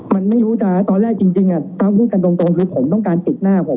มันไม่รู้จะตอนแรกจริงถ้าพูดกันตรงคือผมต้องการปิดหน้าผม